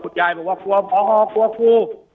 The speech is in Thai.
คุณยายบอกว่าครัวครัวครู